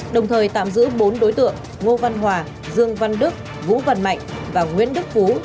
đồng thời tạm giữ bốn đối tượng ngô văn hòa dương văn đức vũ văn mạnh và nguyễn đức phú